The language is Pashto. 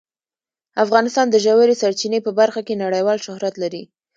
افغانستان د ژورې سرچینې په برخه کې نړیوال شهرت لري.